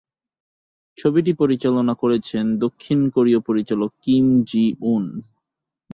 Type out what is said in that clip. ছবিটি পরিচালনা করেছেন দক্ষিণ কোরীয় পরিচালক কিম জি-উন।